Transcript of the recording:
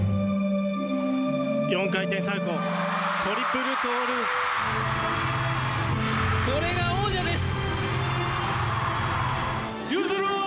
４回転サルコー、トリプルトこれが王者です。